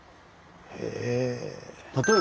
へえ。